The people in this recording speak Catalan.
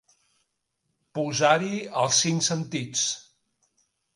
Posar-hi els cinc sentits.